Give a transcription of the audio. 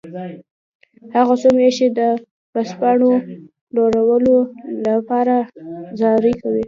هغه څو میاشتې د ورځپاڼو پلورلو لپاره زارۍ کولې